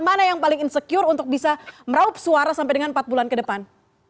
mana yang paling insecure untuk bisa meraup suara sampai dengan empat bulan ke depan